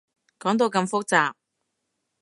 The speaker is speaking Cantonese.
講到咁複雜